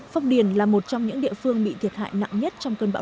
phong điền là một trong những địa phương bị thiệt hại nặng nhất